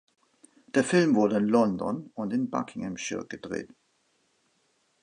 Der Film wurde in London und in Buckinghamshire gedreht.